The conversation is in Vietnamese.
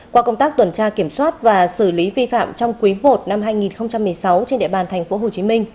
qua công tác tuần tra kiểm soát và xử lý vi phạm trong quý i năm hai nghìn một mươi sáu trên địa bàn tp hcm